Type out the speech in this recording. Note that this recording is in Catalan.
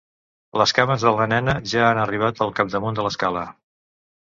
Les cames de la nena ja han arribat al capdamunt de l'escala.